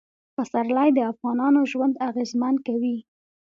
پسرلی د افغانانو ژوند اغېزمن کوي.